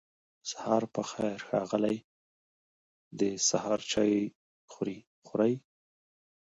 سهار پخير ښاغلی دی سهار چای خوری